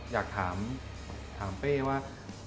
อยากถามเป้ว่า